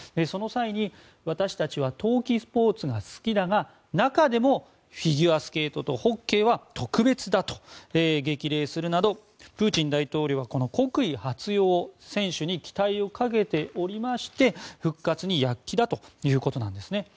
その際に私たちは冬季スポーツが好きだが中でもフィギュアスケートとホッケーは特別だと激励するなどプーチン大統領はこの国威発揚へ選手に期待をかけておりまして復活に躍起だということなんです。